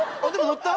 乗った？